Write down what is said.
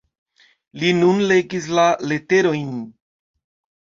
Li nun legis la leterojn.